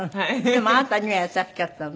でもあなたには優しかったんだ。